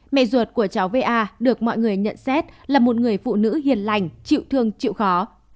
mẹ ruột của cháu va được mọi người nhận xét là một người phụ nữ hiền lành chịu thương chịu khó